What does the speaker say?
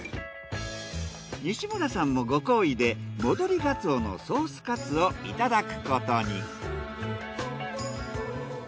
西村さんもご厚意で戻りガツオのソースカツをいただくことに。